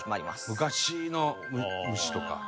昔の虫とか。